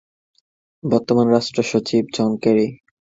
বর্তমান রাষ্ট্র সচিব জন কেরি।